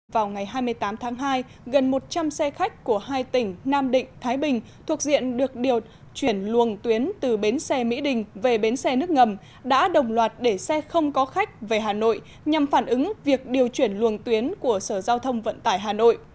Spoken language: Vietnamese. vào ngày hai mươi tám tháng hai gần một trăm linh xe khách của hai tỉnh nam định thái bình thuộc diện được chuyển luồng tuyến từ bến xe mỹ đình về bến xe nước ngầm đã đồng loạt để xe không có khách về hà nội nhằm phản ứng việc điều chuyển luồng tuyến của sở giao thông vận tải hà nội